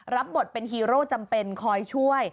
รับบทเป็นฮีโร่จำเป็นคอยช่วย